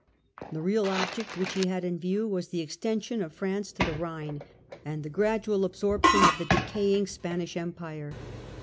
75 The real object which he had in view was the exten sion of France to the Rhine, and the gradual absorption of the decaying Spanish empire.